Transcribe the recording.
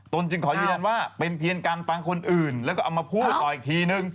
จึงขอยืนยันว่าเป็นเพียงการฟังคนอื่นแล้วก็เอามาพูดต่ออีกทีนึง